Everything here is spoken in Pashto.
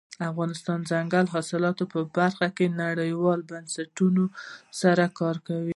افغانستان د دځنګل حاصلات په برخه کې نړیوالو بنسټونو سره کار کوي.